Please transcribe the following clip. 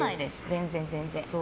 全然、全然。